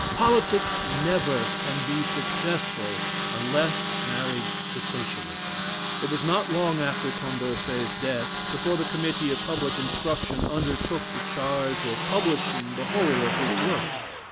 Politics never can be successful unless married to Socialism. It was not long after Condorcet's death, before the Committee of Public Instruction undertook the charge of publishing the whole of his works.